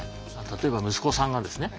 例えば息子さんがですね